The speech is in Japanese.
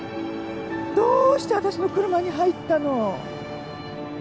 どうして私の車に入ったの？